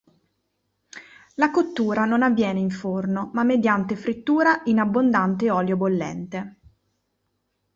La cottura non avviene in forno ma mediante frittura in abbondante olio bollente.